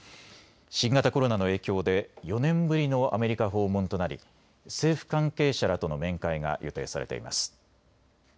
新型コロナの影響で４年ぶりのアメリカ訪問となり政府関係者らとの面会が予定されています。